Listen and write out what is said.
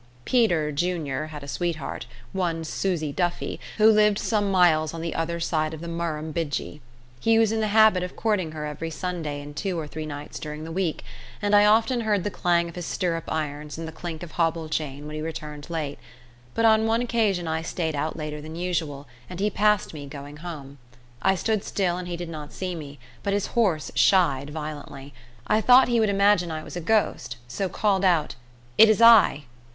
Peter, junior, had a sweetheart, one Susie Duffy, who lived some miles on the other side of the Murrumbidgee. He was in the habit of courting her every Sunday and two or three nights during the week, and I often heard the clang of his stirrup irons and the clink of hobble chain when he returned late; but on one occasion I stayed out later than usual, and he passed me going home. I stood still and he did not see me, but his horse shied violently. I thought he would imagine I was a ghost, so called out: "It is I."